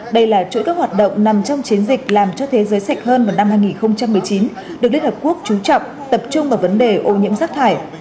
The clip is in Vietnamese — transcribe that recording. đây là chuỗi các hoạt động nằm trong chiến dịch làm cho thế giới sạch hơn vào năm hai nghìn một mươi chín được liên hợp quốc trú trọng tập trung vào vấn đề ô nhiễm rác thải